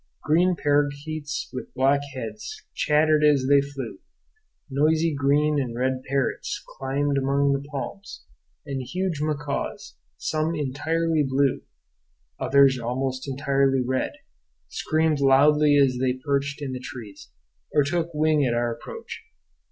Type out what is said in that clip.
Green parakeets with black heads chattered as they flew; noisy green and red parrots climbed among the palms; and huge macaws, some entirely blue, others almost entirely red, screamed loudly as they perched in the trees or took wing at our approach.